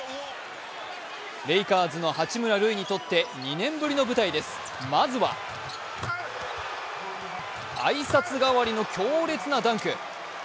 レイカーズの八村塁にとって２年ぶりの舞台です、まずは挨拶代わりの強烈なダンク。